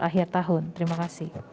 akhir tahun terima kasih